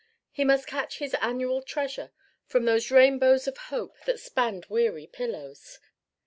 He must catch his annual treasure from those rainbows of hope that spanned weary pillows.